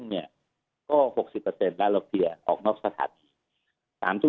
ภาษาอังกฤษ๖๐แล้วเราเราเกลียวทีออกนอกสถาท